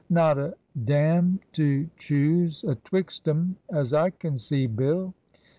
" Not a damn to choose atwixt 'em as I can see, Bill."